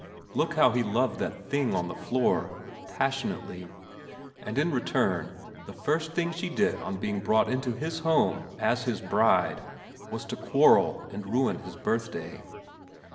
Look how he loved that little thing on the floor. Passionately. And in return, the first thing she did on xxn VERA 241 being brought into his home as his bride was to quarrel and ruin his birthday.